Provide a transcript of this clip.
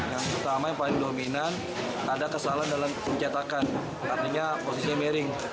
yang pertama yang paling dominan ada kesalahan dalam pencetakan artinya posisinya miring